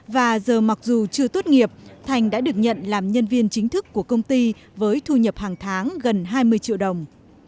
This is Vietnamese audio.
và giờ mặc dù chưa tốt nghiệp thành đã được nhận làm nhân viên chính thức của công ty với thu nhập hàng tháng gần hai mươi triệu đồng